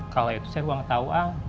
kalau itu saya ruang tau ang